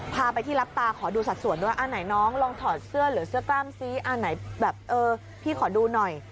พาไปที่รับตาขอดูสัดส่วนด้วยอ่าไหนน้องลองถอดเสื้อหรือเสื้อกล้ามซิอ่าไหนแบบเออพี่ขอดูหน่อย